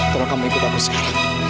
tolong kamu ikut aku sekarang